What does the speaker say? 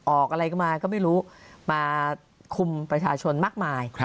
ออกอะไรก็มาก็ไม่รู้มาคุมประชาชนมากมาย